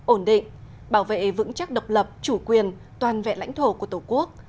ổn định bảo vệ vững chắc độc lập chủ quyền toàn vẹn lãnh thổ của tổ quốc